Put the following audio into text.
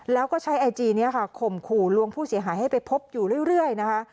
แล้วก็ใช้ไอจีนี้ค่ะข่มขู่ลวงผู้เสียหายให้ไปพบอยู่เรื่อยนะคะ